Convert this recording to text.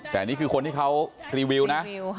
แต่นี่คือคนที่เขารีวิวนะ